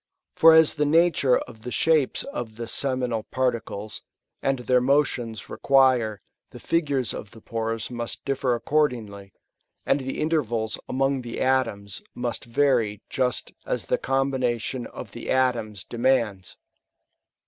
For as the na ture of the shapes of the seminal particles^ and their motions, require, the figures of the pores must differ accordingly, and the intervals among the atoms must vary just as the combina ^ tion of the atoms demands.